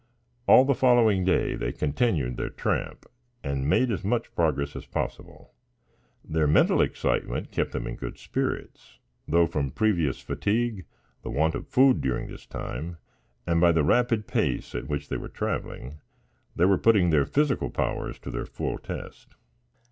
All the following day they continued their tramp and made as much progress as possible. Their mental excitement kept them in good spirits, though, from previous fatigue, the want of food during this time, and by the rapid pace at which they were traveling, they were putting their physical powers to their full test.